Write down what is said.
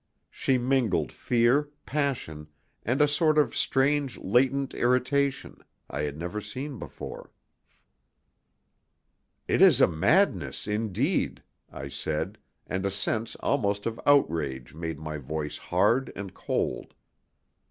Such mingled fear, passion, and a sort of strange latent irritation, I had never seen before. "It is a madness indeed," I said, and a sense almost of outrage made my voice hard and cold.